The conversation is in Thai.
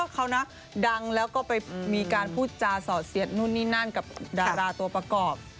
เขานะดังแล้วก็ไปมีการพูดจาสอดเสียดนู่นนี่นั่นกับดาราตัวประกอบ